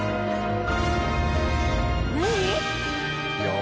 何？